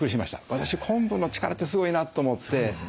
私昆布の力ってすごいなと思って。